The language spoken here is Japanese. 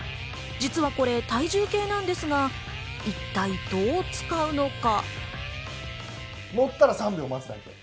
実はこれ体重計なんですが、一体、どう使うのか？